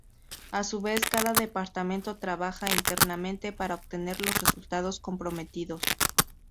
A su vez, cada departamento trabaja internamente para obtener los resultados comprometidos.